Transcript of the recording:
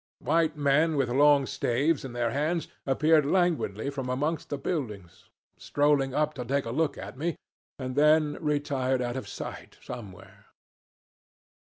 White men with long staves in their hands appeared languidly from amongst the buildings, strolling up to take a look at me, and then retired out of sight somewhere.